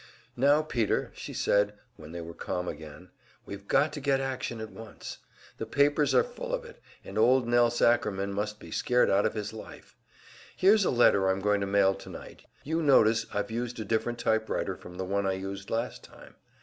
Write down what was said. "Now, Peter," she said, when they were calm again, we've got to get action at once. The papers are full of it, and old Nelse Ackerman must be scared out of his life. Here's a letter I'm going to mail tonight you notice I've used a different typewriter from the one I used last time.